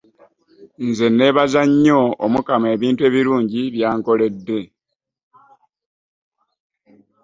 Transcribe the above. Nze nebaza nnyo mukama ebintu ebirungi byankolede.